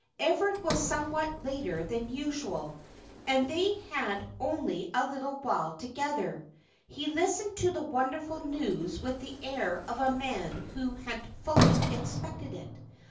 Everard was somewhat later than usual, and they had only a little while together. He listened to the wonderful news with the air of a man who had fully expected it.